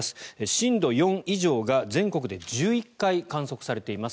震度４以上が全国で１１回観測されています。